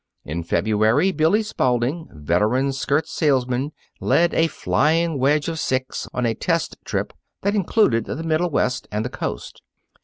In February, Billy Spalding, veteran skirt salesman, led a flying wedge of six on a test trip that included the Middle West and the Coast.